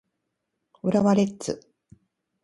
浦和レッズ